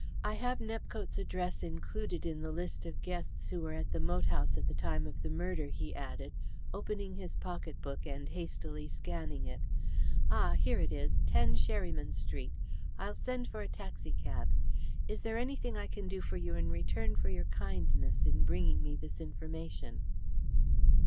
"I have Nepcote's address included in the list of guests who were at the moat house at the time of the murder," he added, opening his pocket book and hastily scanning it. "Ah, here it is 10 Sherryman Street. I'll send for a taxi cab. Is there anything I can do for you in return for your kindness in bringing me this information?"